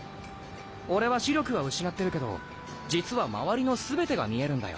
俺は視力は失ってるけど実は周りの全てが見えるんだよ。